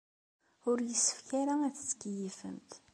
Ur yessefk ara ad tettkeyyifemt.